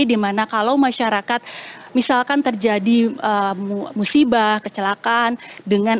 di mana kalau masyarakat misalkan terjadi musibah kecelakaan